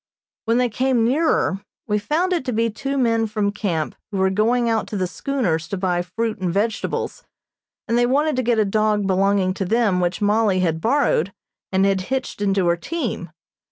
When they came nearer, we found it to be two men from camp who were going out to the schooners to buy fruit and vegetables, and they wanted to get a dog belonging to them which Mollie had borrowed and had hitched into her team.